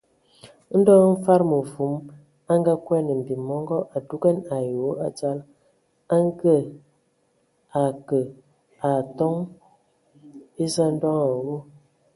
Ndɔ hm fɔɔ Mfad mevom a nganguan mbim mɔngɔ, a dugan ai wɔ a dzal, a ngeakə a atoŋ eza ndoŋ awu.